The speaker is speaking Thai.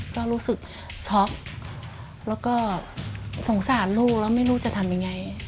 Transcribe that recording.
ก็รู้สึกช็อกแล้วก็สงสารลูกแล้วไม่รู้จะทำยังไง